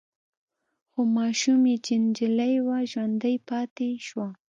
خو ماشوم يې چې نجلې وه ژوندۍ پاتې شوه.